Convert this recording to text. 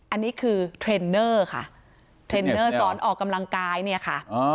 อันนี้คือเทรนเนอร์ค่ะเทรนเนอร์สอนออกกำลังกายเนี่ยค่ะ